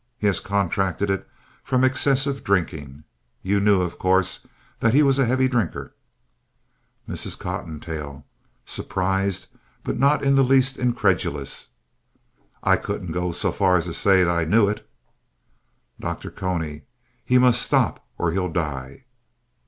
He has contracted it from excessive drinking. You knew, of course, that he was a heavy drinker? MRS. COTTONTAIL (surprised, but not in the least incredulous) I couldn't go so far as to say I knew it. DR. CONY He must stop or he'll die.